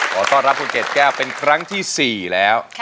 ขอต้อนรับคุณเกดแก้วเป็นครั้งที่๔แล้ว